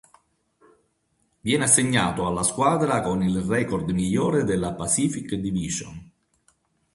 Viene assegnato alla squadra con il record migliore della Pacific Division.